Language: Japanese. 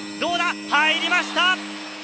入りました。